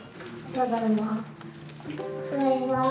ただいま。